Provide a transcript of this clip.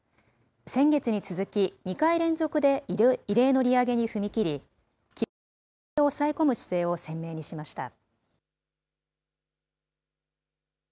先月に続き、２回連続で異例の利上げに踏み切り、記録的インフレを抑え込む姿勢を鮮明にしました。